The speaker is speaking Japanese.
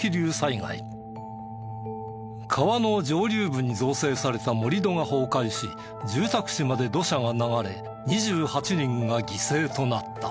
川の上流部に造成された盛り土が崩壊し住宅地まで土砂が流れ２８人が犠牲となった。